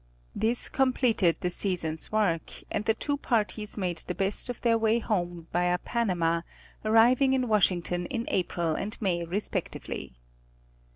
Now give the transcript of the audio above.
This completed the season's work, and the two parties made the best of their way home via. Panama, arriving in Washington in April and May respectively.